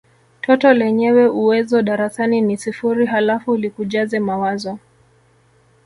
toto lenyewe uwezo darasani ni sifuri halafu likujaze mawazo